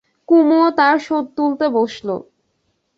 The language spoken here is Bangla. কুমুও তার শোধ তুলতে বসল।